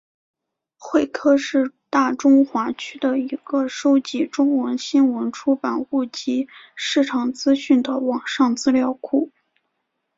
慧科是大中华区的一个收集中文新闻出版物及市场资讯的网上资料库。